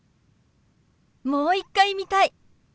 もう一回見たい！